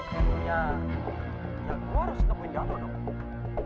tentunya ya gue harus nelfon yaldo dong